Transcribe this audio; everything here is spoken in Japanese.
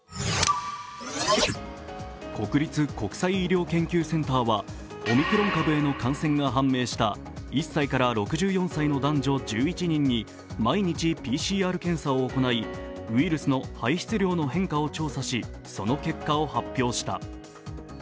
国立国際医療研究センターはオミクロン株への感染が判明した１歳から６４歳の男女１１人に毎日ＰＣＲ検査を行い、ウイルスの排出量の変化を調査し、その結果を発表した。